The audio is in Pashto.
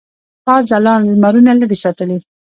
تا ځلاند لمرونه لرې ساتلي.